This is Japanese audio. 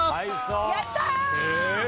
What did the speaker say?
やったー！